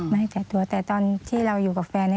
ไม่ให้แก่ตัวแต่ตอนที่เราอยู่กับแฟน